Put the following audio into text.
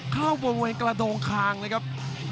เข้าบนเวนกระโดงคางเลยครับ